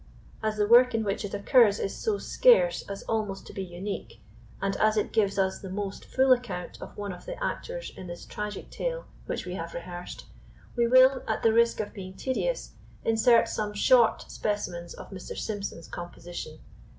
As the work in which it occurs is so scarce as almost to be unique, and as it gives us the most full account of one of the actors in this tragic tale which we have rehearsed, we will, at the risk of being tedious, insert some short specimens of Mr. Symson's composition.